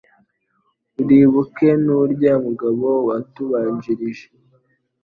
Uribuke n'urya Mugabe watubanjirije